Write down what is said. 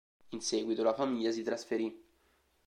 In seguito la famiglia si trasferì.